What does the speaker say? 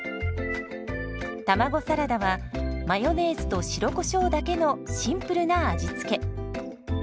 卵サラダはマヨネーズと白コショウだけのシンプルな味付け。